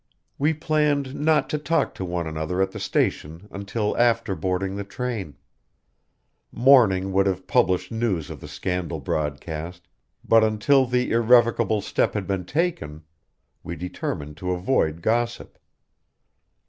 "We planned not to talk to one another at the station until after boarding the train. Morning would have published news of the scandal broadcast, but until the irrevocable step had been taken we determined to avoid gossip.